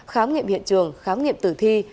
khám nghiệm hiện trường khám nghiệm tử thi